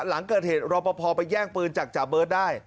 หลังเกิดเหตุรอปภไปแย่งปืนจากจาเบิร์ตได้